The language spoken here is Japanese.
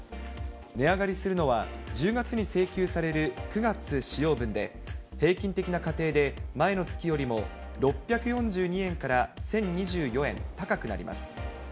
値上がりするのは、１０月に請求される９月使用分で、平均的な家庭で前の月よりも６４２円から１０２４円高くなります。